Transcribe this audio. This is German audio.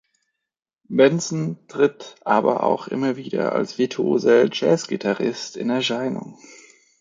Benson tritt aber auch immer wieder als virtuoser Jazzgitarrist in Erscheinung.